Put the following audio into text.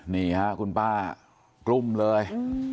นี่ค่ะคุณป้ากลุ้มเลย